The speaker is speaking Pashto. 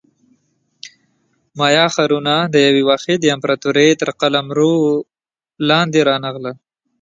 مایا ښارونه د یوې واحدې امپراتورۍ تر قلمرو لاندې رانغلل.